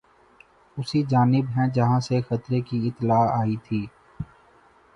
اسی جانب ہیں جہاں سے خطرے کی اطلاع آئی تھی